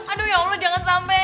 aduh ya allah jangan sampai